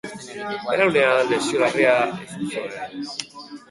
Belaunean lesio larria izan zuen.